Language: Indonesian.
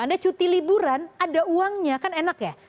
anda cuti liburan ada uangnya kan enak ya